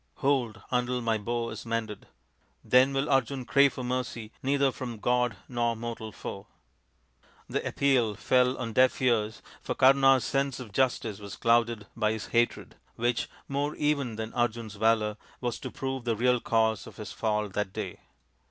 Hold, until my bow is mended. Then will Arjun crave for mercy neither from god nor mortal foe." The appeal fell upon deaf ears, for Kama's sense of justice was clouded by his hatred, which, more even than Arjun's valour, was to prove the real cause of his fall that day.